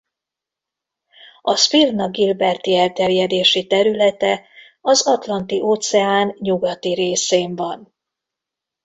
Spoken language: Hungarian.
A Sphyrna gilberti elterjedési területe az Atlanti-óceán nyugati részén van.